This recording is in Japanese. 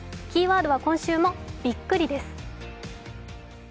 キーワードは今週も「ビックリ」です。